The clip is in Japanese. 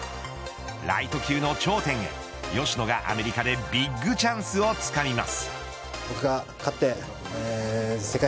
ライト級の頂点へ吉野がアメリカでビッグチャンスをつかみます。